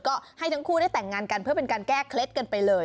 ก็ให้ทั้งคู่ได้แต่งงานกันเพื่อเป็นการแก้เคล็ดกันไปเลย